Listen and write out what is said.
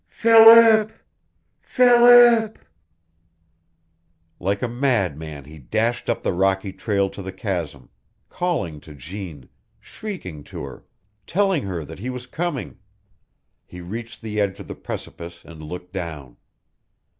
"Philip! Philip!" Like a madman he dashed up the rocky trail to the chasm, calling to Jeanne, shrieking to her, telling her that he was coming. He reached the edge of the precipice and looked down.